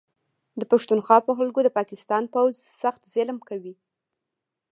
د پښتونخوا په خلکو د پاکستان پوځ سخت ظلم کوي